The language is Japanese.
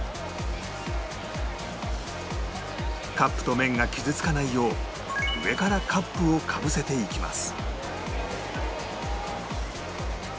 カップと麺が傷つかないよう上からカップをかぶせていきます